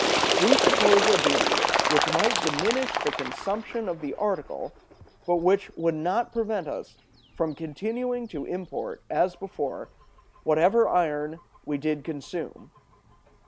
We suppose a duty which might diminish the consumption of the article, but which would not prevent us from continuing to import, as before, whatever iron we did consume.